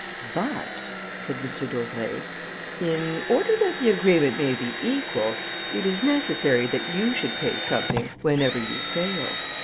"But," said M. d'Auvray, "in order that the agreement may be equal, it is necessary that you should pay something whenever you fail.